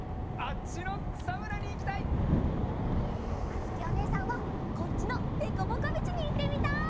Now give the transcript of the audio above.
あづきおねえさんはこっちのでこぼこみちにいってみたい！